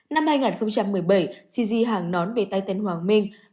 năm hai nghìn một mươi bảy cg hàng nón về tây tấn hoàng minh